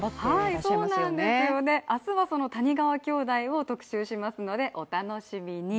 そうなんですよね、明日はその谷川兄弟を特集しますのでお楽しみに。